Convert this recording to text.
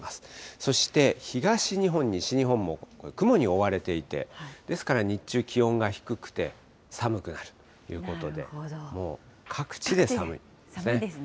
そして、東日本、西日本もこの雲に覆われていて、ですから日中、気温が低くて、寒くなるということで、もう各地で寒いですね。